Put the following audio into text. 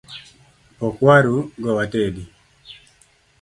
Pok waru go watedi